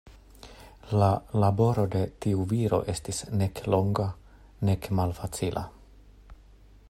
La laboro de tiu viro estis nek longa nek malfacila.